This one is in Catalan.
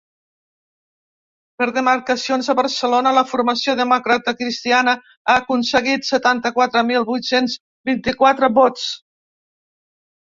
Per demarcacions, a Barcelona la formació democratacristiana ha aconseguit setanta-quatre mil vuit-cents vint-i-quatre vots.